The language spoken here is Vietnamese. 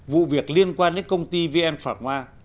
vụ việc liên quan đến công ty vm phạc ma